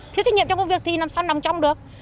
thiếu trách nhiệm trong công việc thì làm sao nằm trong được